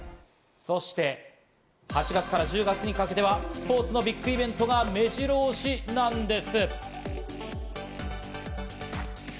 そして８月から１０月にかけては、スポーツのビッグイベントが目白押しなんです。